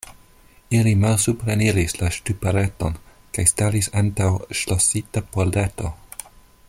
Ili malsupreniris la ŝtupareton kaj staris antaŭ ŝlosita pordeto.